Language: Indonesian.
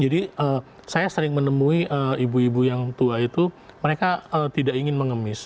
jadi saya sering menemui ibu ibu yang tua itu mereka tidak ingin mengemis